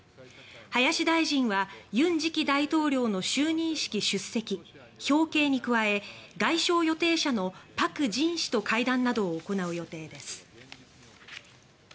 林大臣は尹次期大統領の就任式出席、表敬に加え外相予定者のパク・チン氏と会談などを行う予定です。